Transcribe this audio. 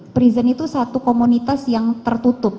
freason itu satu komunitas yang tertutup